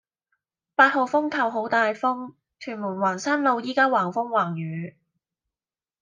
八號風球好大風，屯門環山路依家橫風橫雨